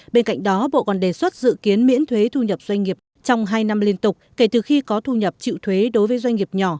bên cạnh đó bộ còn đề xuất dự kiến miễn thuế thu nhập doanh nghiệp trong hai năm liên tục kể từ khi có thu nhập chịu thuế đối với doanh nghiệp nhỏ